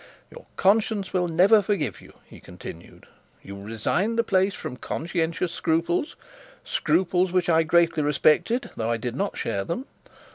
'Your conscience will never forgive you,' he continued. 'You resigned the place from conscientious scruples, scruples which I greatly respected, though I did not share them.